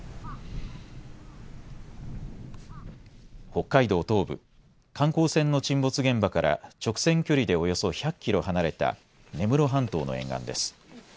北海道東部、観光船の沈没現場から直線距離でおよそ１００キロ離れた根室半島の沿岸です。